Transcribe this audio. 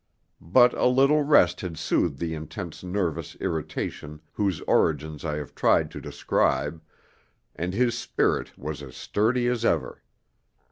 But a little rest had soothed the intense nervous irritation whose origins I have tried to describe, and his spirit was as sturdy as ever.